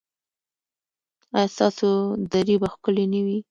ایا ستاسو درې به ښکلې نه وي؟